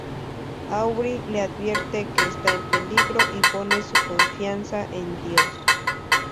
Aubry le advierte que está en peligro y pone su confianza en Dios.